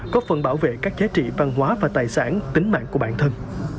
có phần bảo vệ các giá trị văn hóa và tài sản tính mạng của bản thân